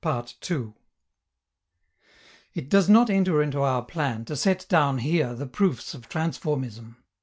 It does not enter into our plan to set down here the proofs of transformism.